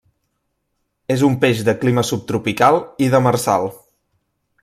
És un peix de clima subtropical i demersal.